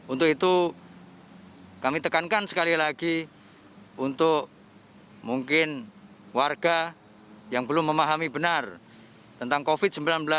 untuk itu kami tekankan sekali lagi untuk mungkin warga yang belum memahami benar tentang covid sembilan belas